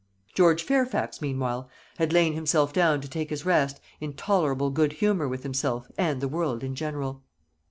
George Fairfax meanwhile had lain himself down to take his rest in tolerable good humour with himself and the world in general.